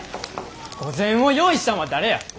御膳を用意したんは誰や！